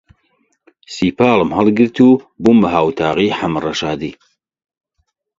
سیپاڵم هەڵگرت و بوومە هاووەتاغی حەمە ڕەشادی